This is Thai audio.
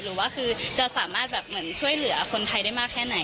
หรือว่าคือจะสามารถช่วยเหลือคนไทยได้มากแค่ไหน